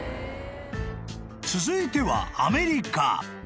［続いてはアメリカ］